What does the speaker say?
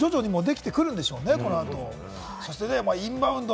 そういうのも徐々にできてくるんでしょうね。